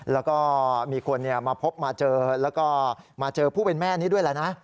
แล้วก็มีคนมาพบมาเจอแล้วก็มาเจอผู้เป็นแม่นี้ด้วยแล้วนะ